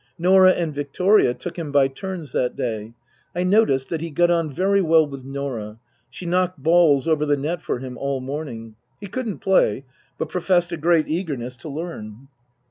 Norah and Victoria took him by turns that day. I noticed that he got on very well with Norah. She knocked balls over the net for him all morning. (He couldn't play, but professed a great eagerness to learn.)